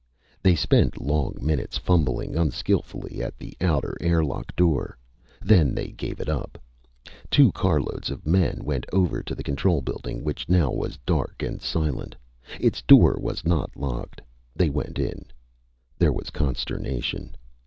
They spent long minutes fumbling unskillfully at the outer air lock door. Then they gave it up. Two car loads of men went over to the control building, which now was dark and silent. Its door was not locked. They went in. There was consternation.